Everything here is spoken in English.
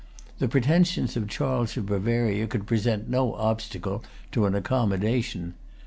The pretensions of Charles of Bavaria could present no obstacle to an accommodation.